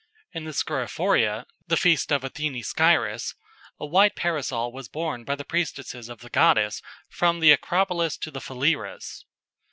In the Scirophoria, the feast of Athene Sciras, a white Parasol was borne by the priestesses of the goddess from the Acropolis to the Phalerus.